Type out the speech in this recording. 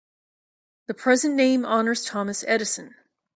The present name honors Thomas Edison.